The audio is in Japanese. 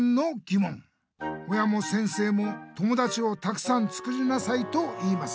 「親も先生も友だちをたくさんつりなさいと言います。